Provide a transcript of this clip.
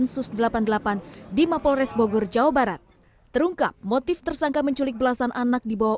sus delapan puluh delapan di mapolres bogor jawa barat terungkap motif tersangka menculik belasan anak dibawa